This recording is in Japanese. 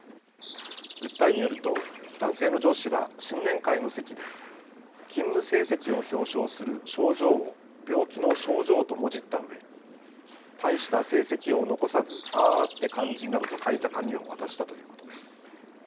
訴えによると男性の上司は新年会の席で勤務成績を表彰する賞状を病気の症状ともじったうえ大した成績を残さずあーあって感じなどと書いた紙を渡したということです。